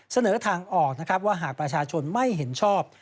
เสนอทางออกนะครับว่าหากประชาชนไม่เห็นชอบ